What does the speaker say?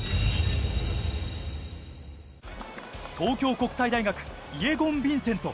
東京国際大学、イェゴン・ヴィンセント。